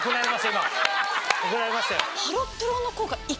今怒られましたよ。